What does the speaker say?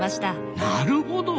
なるほど。